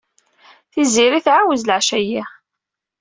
Tiziri tɛawez leɛca-ayyi.